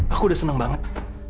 aku udah senang banget